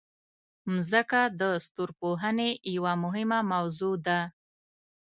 مځکه د ستورپوهنې یوه مهمه موضوع ده.